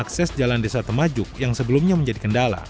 akses jalan desa temajuk yang sebelumnya menjadi kendala